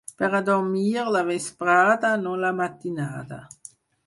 Per a dormir, la vesprada, no la matinada.